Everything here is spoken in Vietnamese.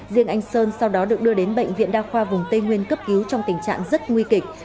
riêng anh sơn sau đó được đưa đến bệnh viện đa khoa vùng tây nguyên cấp cứu trong tình trạng rất nguy kịch